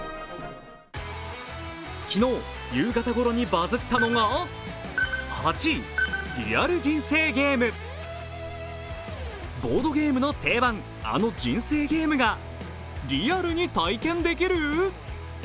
昨日、夕方ごろにバズったのがボードゲームの定番、あの「人生ゲーム」がリアルに体験できる？